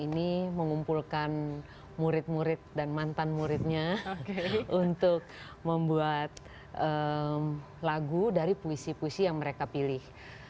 ini mengumpulkan murid murid dan mantan muridnya untuk membuat lagu dari puisi puisi yang mereka pilih